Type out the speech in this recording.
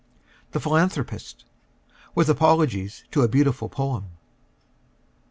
THE PHILANTHROPIST _(With apologies to a beautiful poem.)